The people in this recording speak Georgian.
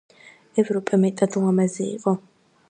ევროპე მეტად ლამაზი იყო.